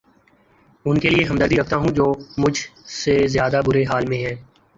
ان کے لیے ہمدردی رکھتا ہوں جو مچھ سے زیادہ برے حال میں ہیں